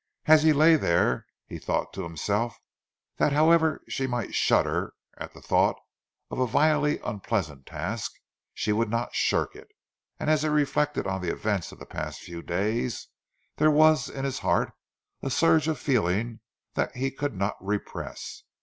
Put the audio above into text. As he lay there he thought to himself that however she might shudder at the thought of a vilely unpleasant task, she would not shirk it, and as he reflected on the events of the past few days, there was in his heart a surge of feeling that he could not repress.